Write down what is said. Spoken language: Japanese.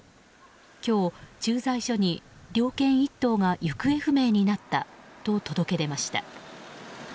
今日、駐在所に猟犬１頭が行方不明になったと届け出ました。